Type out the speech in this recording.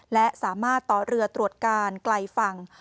และสามารถต่อเรือตรวจการไกลฝั่ง